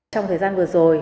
trong thời gian vừa rồi